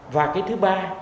và cái thứ ba